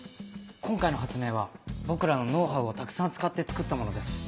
今回の発明は僕らのノウハウをたくさん使って作ったものです。